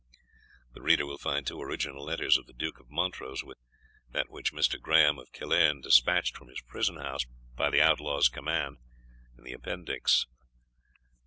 The reader will find two original letters of the Duke of Montrose, with that which Mr. Graham of Killearn despatched from his prison house by the Outlaw's command, in the Appendix, No.